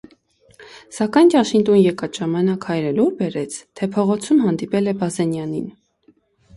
Սակայն ճաշին տուն եկած ժամանակ հայրը լուր բերեց, թե փողոցում հանդիպել է Բազենյանին: